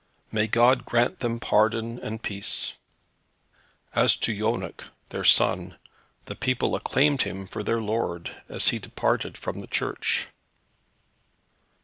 May God grant them pardon and peace. As to Yonec, their son, the people acclaimed him for their lord, as he departed from the church.